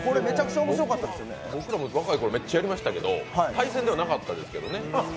僕らも若いころ、めっちゃやりましたけど対決はなかった。